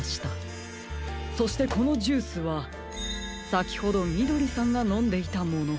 そしてこのジュースはさきほどみどりさんがのんでいたもの。